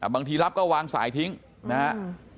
บางทีรับก็วางสายทิ้งนะครับ